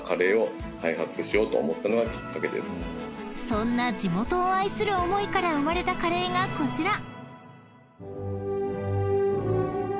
［そんな地元を愛する思いから生まれたカレーがこちら］